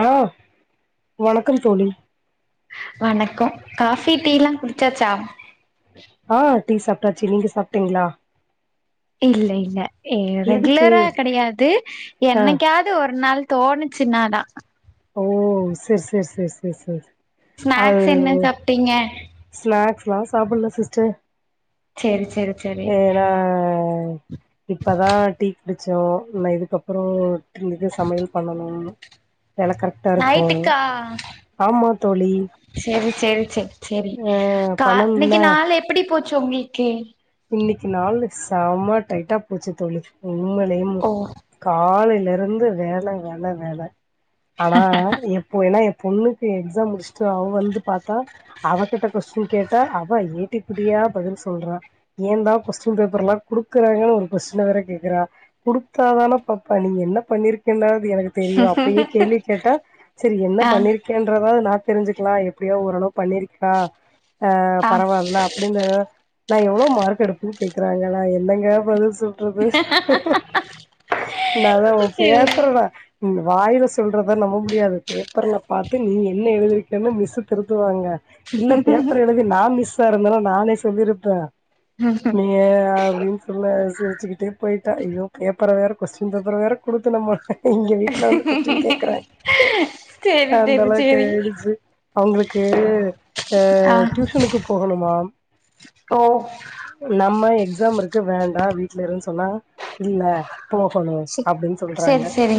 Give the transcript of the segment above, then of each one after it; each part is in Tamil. அலோ வணக் வணக்கொ காஃபி டீ லா குடுச்சாச்சா ஆ டீ சாப்ட்டாச்சு நீங்க சாப்ட்டீங்ளா இல்ல இல்ல எ ரெக்லரா கடயாது ஆ என்னக்காது ஒர் நாள் தோணுச்சினா தா ஓ சேர் சேர் சேர் சே சே அது ஸ்நாக்ஸ் என்ன சாப்ட்டீங்க ஸ்நேக்ஸ்லா சாப்புல்ல சிஸ்ட சேரி சேரி சேரி ஏனா இப்பதா டீ குடிச்சோ ம இதுக்கறோ த்ரும்மித சமயல் பண்ணணும் நைட்டுக்கா ஆமா தோழி செரி சேரி சே சேரி ஆ கா பணம்ல இன்னக்கி நாள் எப்டி போச்சு ஒங்ளுக்கெ இன்னிக்கி நாளு செம டைட்டா போச்சு தோழி உண்மலையும் ஓ காலைல் நெறந்து வேல வேல வேல ஆனா எப்போ எனா எ பொண்ணுக்கு எக்ஸாம் முடுஷ் சோ அவ் வந்து பாத்தா அவகிட்ட கொஸ்டின் கேட் ட அவ ஏட்டிக்புட்டியா பதில் சொல்றா ஏந்தா கொஸ்டின் பேப்பர்லா குடுக்குறாங்கனு ஒரு கொஸ்டின வேற கேக்குறா குடுத்தாதன பப்பா நீங் என் பண்ணிர்க்கேன்னாது எனக்கு தெரியு அப்பயே கேள்வி கேட்டா செரி என்ன ஆ பண்ணிர்க்கேன்றதாவு நாட் தெரிஞ்சுக்லா எப்டியோ ஓரளவு பண்ணிரிக்கா அ ஆ பரவால்ல அப்டிங்குற நா எவுளோ மார்க் எடுப்புன் கேக்குறாங்க நா என்னங்க பதுல் சொல் ட்றது நாதா ஒ சேரி பேப்பரனா வாயில சொல்றத நம்ப முடியாது பேப்பர்ல பாத்து நீ என்ன எழுதிருக்கென்னு மிஸ்சு திருத்துவாங்க இல்ல பேப்பர் எழுதி நா மிஸ்சா இருந்தனா நானே சொல்லிருப்ப நீயே அப்டின் சொல்ல சிருச்சுக்கிட்டே போயிட்டா அய்யோ பேப்பர வேற கொஸ்டின் பேப்பர வேற குடுக்குனுமா இங்க வீட்ல வந்து கொஸ்டின் கேக்குற சேரி சேரி அந்தளவ்க்கு சேரி ஏடுச்சு அவுங்ளுக்கு அ ஆ ட்யூஷனுக்கு போகணுமாம் ஓ நம்ம எக்ஸாம் இருக்கு வேண்டா வீட்ல இருன் சொன்னா இல்ல போகணு அப்டின்னு சொல்றாங்க சேர் செரி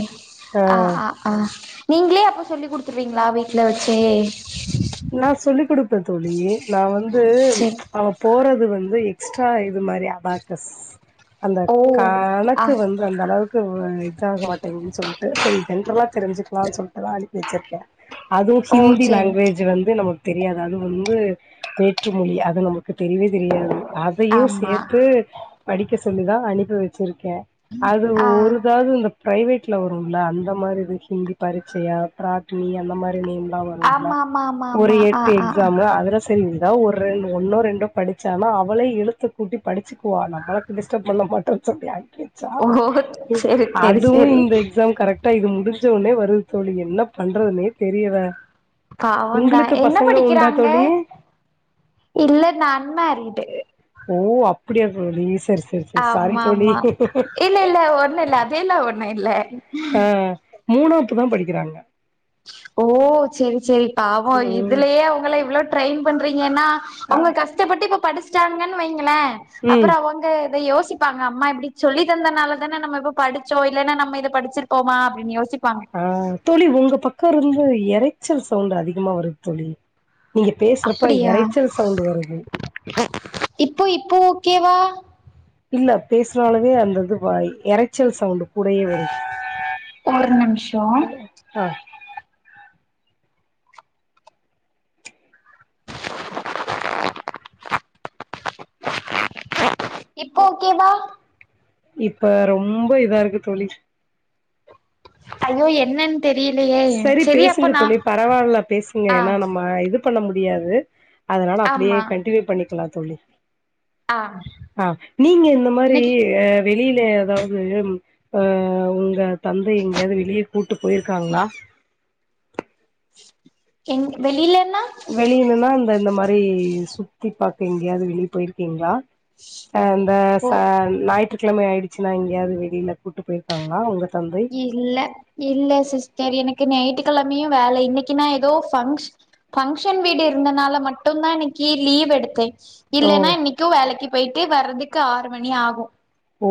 அஅஆ நீங்ளே அப்ப சொல்லி குடுத்ருவீங்ளா வீட்ல வச்சே நா சொல்லி் குடுப்பே தோழி நா வந்து செரி அவ போறது வந்து எக் ஸ்ரா இது மாரி அபாக்கஸ் அந்த ஓ ஆ கணக்கு வந்து அந்த அளவுக்கு வ அ ஆக மாட்டேங்கன்னு சொல்லிட்டு சேரி ஜென்ரலா தெரிஞ்சுக்கலாம்னு சொல்லிட்டுதான் அனுப்பி வச்சிருக்கேன் அது ஓ ஹிந்தி செரி லாங்குவேஜ் ந்து நமக்கு தெரியாது அது வந்து வேற்றுமொழி அது நமக்கு தெரியவே தெரியாது அதையும் ஆமா சேர்த்து படிக்க சொல்லிதா அனுப்பி வச்சிருக்கே அது ஆ ஒருதாவது இந்த ப்ரைவேட்ல வருரும்ல அந்த மாரி இது ஹிந்தி பரிட்சையா பிராத்னி அந்த மாரி நேம் [unintelligible] வரும்ல ஆமா ஆமா ஆமா ஒரு ஆமா ஆ எட்டு ஆ எக்ஸாம் அதுல எதோ ஒரு ஒன்னோ ரெண்டோ படிச்சான்னா அவளே எழுத்து கூட்டி படிச்சுக்குவா நம்மளுக்கு டிஸ்டப் பண்ண ஓ [unintelligible] செரி செரி அதுவு செரி இந்த எக்ஸாம் கரெக்டா இது முடிஞ்சோனே வருது தோழி என்ன பண்றதுன்னே தெரியல பாவந்தா உங்களுக்கு என்ன பசங்க உண்டா படிக்கிறாங்க தோழி இல்ல நா அன்மேறிடு அப்டியா தோழி சேரி ஆமா ஆமா இல்ல இல்ல ஒண்ண இல்ல அது இல்ல ஒண்ணு இல்ல ஆ மூணாவப்பு தா படிக்கிறாங்க ஓ சேரி சேரி பாவம் இதுலயே அவங்கள இவ்வளவு ட்ரெயின் பண்றீங்கன்னா ம் அவங்க கஷ்டப்பட்டு இப்ப படிச்சிட்டாங்கன்னு வைங்களே அப்புற ம். அவங்க யோசிப்பாங்க அம்மா இப்படி சொல்லி தந்தனால தானே நம்ம படிச்சோ இல்லன்னா நம்ம இத படிச்சிருப்போமா அப்பின்னு யோசிப் ஆ தோழி உங்க பக்க இருந்து இரைச்சல் சவுண்ட் அதிகமா வருது தோழி நீங்க பேசுறப்ப அப்படியா இரைச்சல் சவுண்ட் வருது. இப்போ இப்போ ஓகேவா இல்ல பேசுறாலே அந்தது இரைச்சல் சவுண்ட்டு கூடைய வருது ஒரு நிமிஷோ ஆ [inaudible] இப்போ ஓகேவா இப்ப ரொம்ப இதா இருக்கு தோழி ஐயோ என்னென் சேரி பேசுங்க தோழி பரவால்ல பேசுங்க ஆ ஏன்னா நம்ம இதுப் பண்ண முடியாது அதனால அப்டியே ஆமா கண்டினியூ பண்ணிக்கலா தோழி ஆ ஆ நீங்க இந்த மாரி இன்னைக்கு வெளியில எதாவது உங்க தந்தை எங்கேயாவது வெளியே கூப்ட்டு போயிருக்காங்களா வெளியிலன்னா வெளியனுன்னா இந்த இந்த மாரி சுத்தி பார்க்கங்கேக்கயாவது வெளியே போயிருக்கீங்களா ஆ ச இந்த ஓ ஞாயிற்றுக்கிழமை ஆயிடுச்சுன்னா இங்க எங்கியாவது வெளியில கூட்டு போயிருக்காங்களா உங்க தந்தை இல்ல இல்ல சிஸ்டர் எனக்கு நைட்டு கிழமையும் வேல இன்னைக்கு நா ஏதோ பன் பங்கஷன் வீடு இருந்தனால மட்டு தா இன்னைக்கு லீவ் எடுத்தே ஓ இல்லன்னா இன்னைக்கு வேலைக்கு போயிட்டு வர்றதுக்கு ஆறு மணி ஆகு ஓ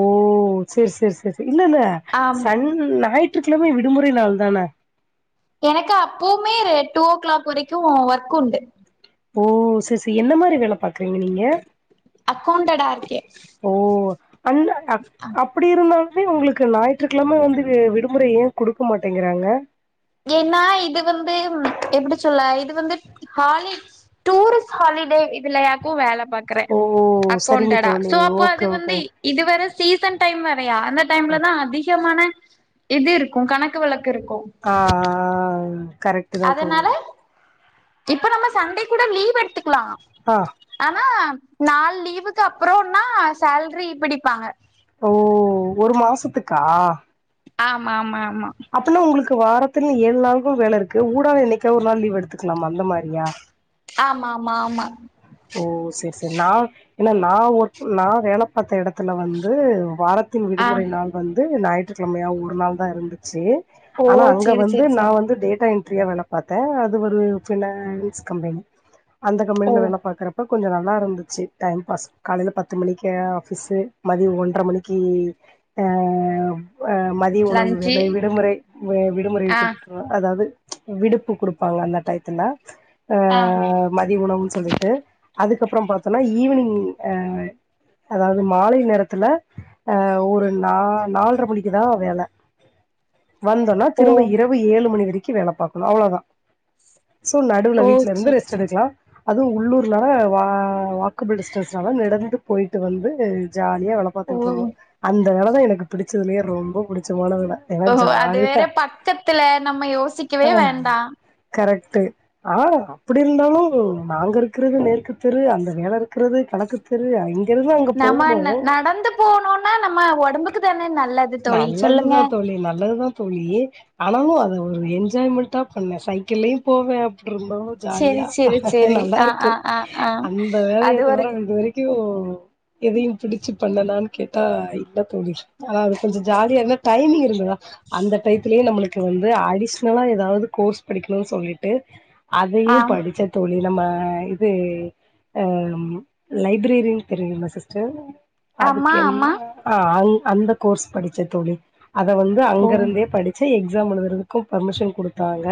சேரி சேரி சேரி சேரி இல்லல்ல ஆம் சன் ஞாயி ற்றுக்கிழமே விடுமுறை நாள் தானே எனக்கு அப்பவுமே டூ ஓ கிளாக் வரைக்குமே ஒர்க் உண்டு ஓ சேரி சேரி என்ன மாரி வேல பாக் றிங்க நீங்க அக்கௌண்டடா இருக்கே ஓ அல்ல அப் ஆ அப்டி இருந்தாலு உங்களுக்கு ஞாயிற்றுக்கிழம வந்து விடுமுறை ஏன் கொடுக்க மாட்டேங்கிறாங்க ஏன்னா இது வந்து எப்படி சொல்ல இது வந்து ஹாலி டூரிஸ்ட் ஹாலிடே இதுல கு வேல பாக்றே ஓ சரிங்க அக்கவுண்டடா தோழி சோ அப்போ அது ஓகே வந்து ஓகே இது வேர சீசன் டைம் வரையா அந்த டைம்லதா அதிகமான இது இருக்கு கணக்கு வழக்கு இருக்கு ஆ ஆ கரெக்ட் தா தோழி அதனால இப்ப நம்ம சண்டே கூட லீவ் எடுத்துக்லா ஆ ஆனா நாலு லீவுக்கு அப்பறோனா சேல்ரி பிடிப்பாங்க ஓ ஒரு மாசத்துக்கா ஆமாமா அப்பனா உங்ளுக்கு வாரத்துல ஏழு நாளுக்கு வேல இருக்கு ஊடால என்னைக்கா ஒரு நாள் லீவ் எடுத்துக்லாமா அந்த மாரியா ஆமாமா ஆமா ஏனா நா ஒர் நா வேல பாத்த எடத்துல வந்து வாரத்தின் ஆ விடுமுறை நாள் வந் து ஞாயிற்றுக்கிழமையா ஒரு நாள் தா இருந்துச்சு ஓ ஆனா அங்க சேரி வந்து சேரி நா சேரி வந்து டேட்டா என் ட்ரில வேல பாத்த அது ஒரு ஃபினான்ஸ் கம்பெனி அந்த ஓ கம்பெனில வேல தப்ப கொஞ்ச நல்லாருந்துச்சு டைம் பாஸ் காலைல பத்து மணிக்கு ஆஃபிஸு மதிய ஒன்ற மணிக்கு ஆ அ மதிய உணவு லன்ச்சு வேளை விடுமுறை விடுமுறை ஆ விட்ருவாங் அதாது விடுப்பு குடுப்பாங்க அந்த டயத்துல அ ஆ மதிய உணவுன் சொல்லி அதுக்கப்புற பாத்தொனா ஈவினிங் அ அதாவுது மாலை நேரத்துல அ ஒரு நா நால்ர மணிக்குதா வேல வந்தொனா ஓ திரும்ப இரவு ஏழு மணி வரைக்கு வேல பாக்கணு அவ்ளதா சோ நடுவுல ஓ வீட்ல இருந்து செரி ரெஸ்ட் செரி எடுக்லா அதுவு உள்ளூர்னால வா வாக்கபிள் டிஸ்டன்ஸ்னால நடந்து போய்ட்டு வந்து ஜாலியா வேல ஓ பாத்துட்ருந்தோ அந்த வேல தா எனக்கு பிடிச்சதுலயே ரொம்ப பிடிச்சமான வேல ஏன்னா ஓஹோ அது ஜாலியா வேற பக்கத்துல நம்ம யோசிக்கவே வேண்டாம் டு ஆ அப்படி இருந்தாலு நாங்க இருக்றது மேற்கு தெரு அந்த வேல இருக்றது கணக்கு தெரு இருந்து அங்க நம்ம போகணு ந நடந்து போனோனா நம்ம ஒடம்புக்கு தானே நல்லது தோழி சொல்லுங்க நல்லதுதா தோழி நல்லதுதா தோழி ஆனாலு அது ஒரு என்ஜாய்மெண்ட்டா பண்ணே சைக்கிள்லயு போவே ரொம்பவு செரி ஜாலியா செரி செரி ஆ நல்லாருக்கு ஆ ஆ ஆ அந்த வேலய அது ஒரு தவர இது வரைக்கு யு எதையு பிடிச்சு பண்ணனான் கேட்டா இதா தோழி ஆனா கொஞ்ச ஜாலியா இருந்த டைமிங் இருந்ததா அந்த டயத்திலயே நமளுக்கு வந்து அடிஷனலா எதாவுது கோர்ஸ் படிக்கணுன் சொல்லிட்டு அதையு ஆ படிச்ச தோழி நம்ம இது அ லைப்ரரியன் தெரியுல்ல சிஸ்டர் ஆமா அதுக்கு என்ன ஆமா அ அந் அந்த கோர்ஸ் படிச்ச தோழி அத வந்து ஓ அங்கருந்தே படிச்சு எக்ஸாம் எழுதுறதுக்கு பர்மிஷன் குடுத்தாங்க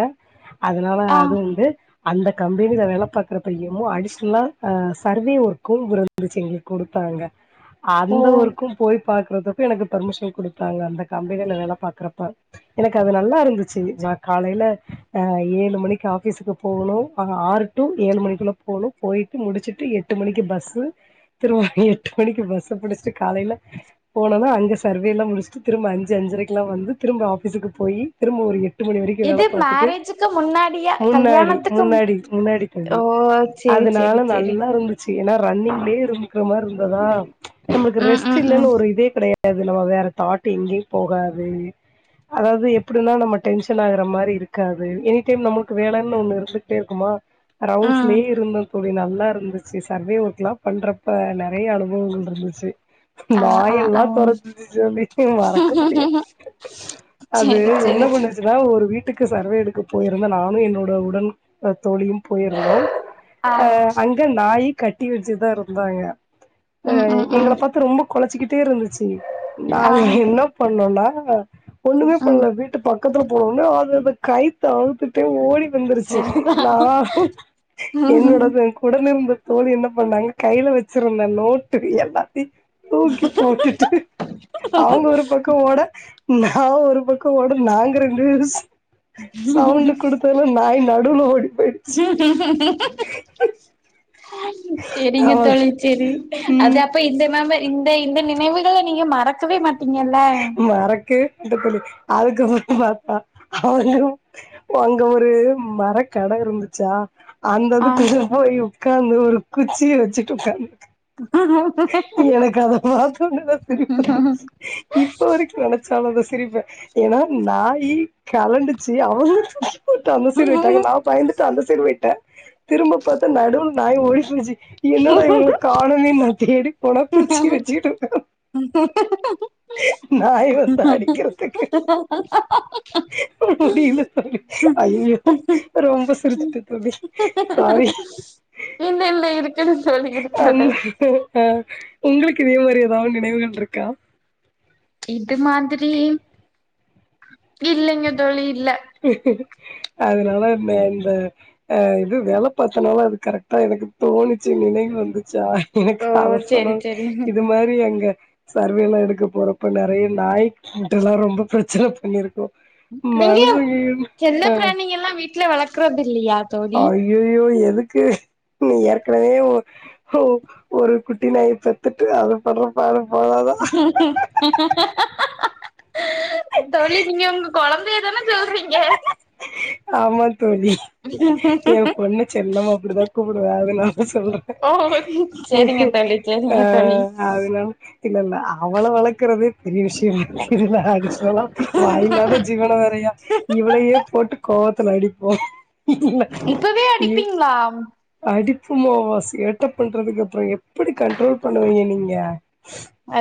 அதனால ஆ அது வந்து அந்த கம்பெனில வேல பாக்கறப்பயு அடிஷனலா சர்வே ஒர்க்கு வந்துச்சு எங்ளுக்கு குடுத்தாங்க ஓ அந்த ஊருக்கும் போய் பாக்குறதுப்ப எனக்கு பெர்மிஷன் குடுத்தாங்க அந்த கம்பெனில வேல பாக்குறப்ப எனக்கு அது நல்லா இருந்துச்சு நா காலைல எ ஏழு மணிக்கு ஆஃபிஸுக்கு போகணு ஆ ஆறு டூ ஏழு மணிக்குள்ள போகணு போய்ட்டு முடிச்சுட்டு எட்டு மணிக்கு பஸ்ஸு திரும்ப எட்டு மணிக்கு பஸ்ஸ பிடிச்ட்டு காலைல போனனா அங்க சர்வேலா முடிச்ட்டு திரும்ப அஞ்சு அஞ்சரைக்லா வந்து திரும்ப ஆஃபிஸுக்கு போயி திரும்ப ஒரு எட் டு மணி வரைக்கு வேல இது பாத்துட்டு மேரேஜுக்கு முன்னாடியா முன்னாடி கல்யாணத்துக்கு மு முன்னாடி முன்னாடி தாண்டி ஓ ஆ செரி அதனால செரி செரி நல்லா இருந்ச்சு ஏனா ரன்னிங்லயே இருக்ற மார் இருந்ததா நம்மளுக்கு ம் ரெஸ்ட் ம் இல்லனு ம் ஒரு ஒரு இதே கிடையாது நம்ம வேற தாட்டு எங்கயு போகாது அதாது எப்டினா நம்ம டென்ஷன் ஆகற மாரி இருக்காது எனி டைம் நமக்கு வேலைனு ஒண்ணு இருந்துக்ட்டே இருக்குமா ம் ரவுண்ட்ஸ்லயே இருந்தோ தோ ழி நல்லா இருந்துச்சு சர்வே வொர்க்லா பண்றப்ப நறைய அனுபவங்கள் இருந்துச்சு ஆ ஆ நாயெல்லா ஆ தொரத்துச்சு தோழி மறக்க முடிய அது செரி என்ன செரி செரி பண்ணுச்சுனா ஒரு வீட் ட்டுக்கு சர்வே எடுக்க போயிருந்த நானு என்னோட உடன் தோழியும் போயிருந்தோம் அ ஆ அங்க நாயி கட்டி வச்சுதா இருந்தாங்க அ ம் ம் எங்கள ம் பாத்து ரொம்ப கொலச்சிக்கிட்டே இருந்த து ஆ நாங்க என்ன பண்ணோன்னா ஒன்னுமே ம் பண்ல வீட்டு பக் கத்துல போன உட்னே அது அத கயித்த அவுத்துட்டு ஓடி வந்துருச்சு சரிதா நானு என்னோட பெ உடனிருந்த தோழி என்ன பண்ணாங்க கைல வெச்சிருந்த நோட்டு எல்லாத்தீ தூக்கி போட் டுட்டு அவங்க ஒரு பக்கோ ஓட நா ஒரு பக்கோ ஓட நாங்க ரெண்டு சவுண்டு குடுத்ததுல நாய் ந ம் ம்ம் செரிங்க அவ தோழி செரி அது ம் அப்ப இந்த மெம இந்த இந்த நினைவுகள நீங்க மறக்கவே மாட் மறக்கவே மாட்ட தோழி அதுக்கப்ப றோ பாத்தா அதுலயு அங்க ஒரு மரக்கட இருந்துச்சா ஆ அந்ததுக்குள்ள போய் உக்காந்து ஒரு குச்சிய வெச்சிட்டு உக்காந்து எனக்கு அத பாத்தோன்னே தா சிரிப்பு [unintelligible] ச்சு இப்ப வரிக்கு நெனைச்சாலு அத சிரிப்பே ஏனா நாயி கலண்டு ச்சி அவுங்க [unintelligible] பட்டு அந்த சைட் போய்ட்டாங்க நா பயந்துட்டு அந்த சைடு போய்ட்டே திரும்ப பாத்தா நடுவ்ல் நாய் ஓடிட்ருந்துச்சு என்னடா இவங்க காணமேன் நா தேடி போனா குச்சி வெச்சிக்ட் உக்காந்து [unintelligible] நாய் வந்து அடிக்கறதுக்கு முடியில தோழி அய்யயோ ரொம்ப சிரிச்சிட்டே தோழி சாரி இல்ல இல்ல இருக் அந்த அ உங்களுக்கு இதே மாரி எதாவ் நினைவுகள்ருக்கா இது மாதிரி இல்லைங்க தோழி இல்ல அதுனால இந்த இந்த அ இது வேல பாத்தனால அது கரெக்ட்டா எனக்கு தோணிச்சு நினைவ் வந்து ச்சா எனக்கு ஓ அவசனோ செரி செரி இது மாரி அங்க சர்வேல்லா எடுக்க போறப்ப நெறைய நாய் கிட்டல்லா ரொம்ப பிரச்சன பண்ணிருக்கோ நீங்க மனுசங்க செல்லப்பிராணிங்கெல்லா வீட்ல வளக்கறதில்லியா அய்யய்யோ எதுக்கு நீ ஏற்கனவே ஒ ஓ ஒரு குட்டி நாய பெத்துட்டு அது பண்ற பாடு போதாதா? ப தோழி நீங்க உங்க கொழந்தைய தான சொல்றீங்க ஆமா தோழி ஏ பொண்ண செல்லமா அப்டிதா கூப்புடுவே அதுனால சொல்றே சேரிங்க தோழி ஆ செரிங்க தோழி அதுனால இல்ல இல்ல அவள வளக் க்கறதே பெரிய விஷ்யோ இதுல அடிஸ்னலா வாயில்லாத ஜீவன வேறயா இவளயே போட்டு கோவத்துல அடிப்போ இல்ல இப்பவே யி அடிப்பீங்களா அடிப்போமாவா சேட்ட பண்றதுக்கு அப்றோ எப்புடி கண்ட்ரோல் பண்ணுவீங்க நீங்க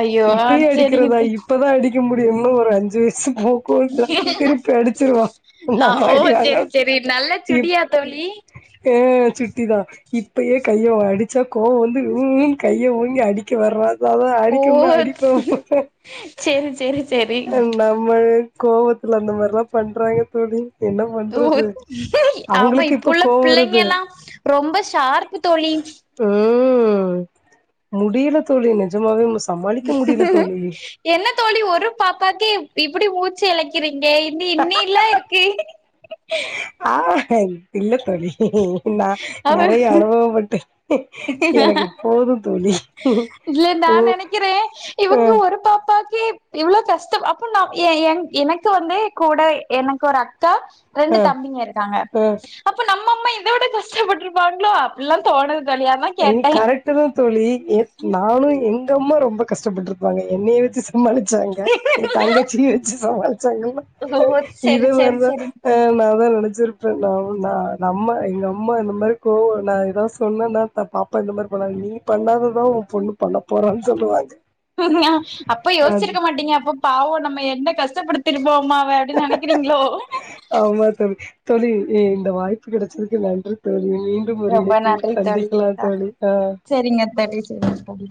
ஐயோ ஆ இப்பயே செரிங்க அடிக்கிறதா தோ இப்பதா அடிக் க முடியு இன்னு ஒரு அஞ்சு வயசு [unintelligible] திருப்பி அடிச்சிருவா ஆ நம்ம ஓ அடி செரி செரி நல்ல சுட்டியா தோழி எ சுட்டி தா இப்பயே கையோ அடிச்சா கோவோ வந்து ம் ம் கைய ஓங்கி அடிக்க வர்ரா அதா ஓ அடிக்க வந்தா அடிப்பா ம் செரி செரி செரி நம்ம கோவத்துல அந்த மார்ல்லா பண்றாங்க தோழி என்ன பண்றது அவங்களுக்கு இப்ப கோவோ வருது பிள்ளைங்கெல்லா ரொம்ப ஷார்ப்பு தோழி ம் முடியில தோழி நிஜமாவே மிஸ் என்ன தோழி ஒரு பாப்பாக்கே ப் இப்புடி மூச்சு எழைக்கிறீ ங்க இன்னி இன்னில்லா இருக்கு ஆ இல்ல தோழி நா நெறைய அனுபவப்பட்டு எனக்கு போது தோழி இல்ல நா போ நெனைக்கிறே அ இவுங்க ஒரு பாப் ப்பாக்கி இவ்ளோ கஷ்டம் அப்ப நா எ ஏன் எனக்கு வந்தே கூட எனக்கொரு அக் கா அ ரெண்டு தம்பிங்க இருக்காங்க அ அப்ப நம்ம அம்மா இத விட கஷ்டப்பட்ருப்பாங்ளோ அப்பில்லா தோணுது தோழி அதா இன் கேட்டே கரெக்டுதா தோழி எப் நானு எங்கம்மா ரொம்ப கஷ்டப்பட்ருப்பாங்க என்னைய வச்சி சமாலிச்சாங்க எ தங்கச்சிய வச்சி சமால் ச்சாங்கல்ல ஓ இது செரி செரி நந்தா செரி அ நாத நென ச்சிருப்ப நா நம்ம எங்கம்மா இந்த மாரி கோவ நா எதா சொன்னேனா பா பாப்பா இந்த மாரி பண்ணாங்க நீ பண்ணாததா உ பொண்ணு பண்ணப் போறான் சொல்லுவாங்க அப்ப அது யோஸ்ச்சிருக்க மாட்டீங்க அப்ப பாவ நம்ம எந்த கஷ்ட ஷ்டப்படுத்திருப்போமா அவ அப்டின் நெனைக்கிறீங்ளோ ஆமா தோழி தோழி எ இந்த வாய்ப்பு கெடச்சதுக்கு நன்றித் தோழி மீண்டும் ஒரு ரொம்ப இணைப்பில் நன்றி தோழி சந்திக்கலா தோழி ஆ செரிங்க தோழி செரிங்க தோழி